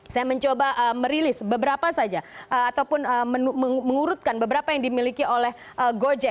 saya mencoba merilis beberapa saja ataupun mengurutkan beberapa yang dimiliki oleh gojek